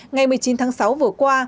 ngày một mươi chín tháng sáu vừa qua